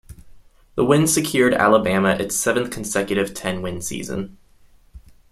The win secured Alabama its seventh consecutive ten-win season.